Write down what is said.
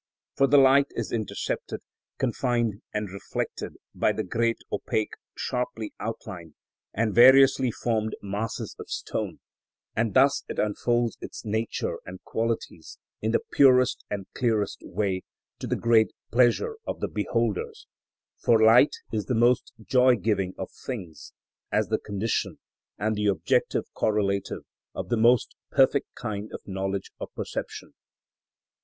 For the light is intercepted, confined, and reflected by the great opaque, sharply outlined, and variously formed masses of stone, and thus it unfolds its nature and qualities in the purest and clearest way, to the great pleasure of the beholders, for light is the most joy giving of things, as the condition and the objective correlative of the most perfect kind of knowledge of perception.